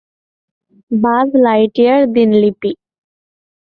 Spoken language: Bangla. বায লাইটইয়ার দিনলিপি।